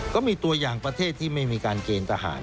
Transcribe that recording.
ก็มีตัวอย่างประเทศที่ไม่มีการเกณฑ์ทหาร